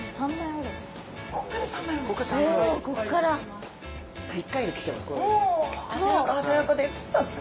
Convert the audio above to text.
お鮮やかです！